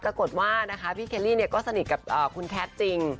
ปรากฏว่านะคะพี่เคลลี่ก็สนิทกับคุณแคทจริง